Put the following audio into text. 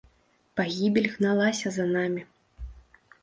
Пагібель гналася за намі.